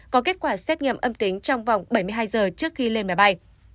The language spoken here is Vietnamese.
có kết quả xét nghiệm âm tính trong vòng bảy mươi hai giờ trước khi lên máy bay